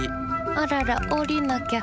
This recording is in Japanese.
あららおりなきゃ。